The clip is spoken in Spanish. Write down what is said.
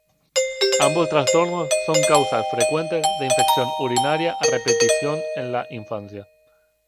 Ambos trastornos son causas frecuentes de infección urinaria a repetición en la infancia.